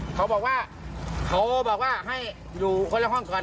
เค้าบอกว่าให้อยู่คนละห้องก่อน